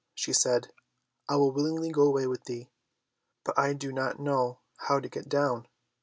She said, "I will willingly go away with thee, but I do not know how to get down.